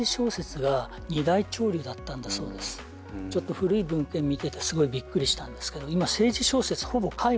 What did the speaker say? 古い文献見ててすごいびっくりしたんですけど。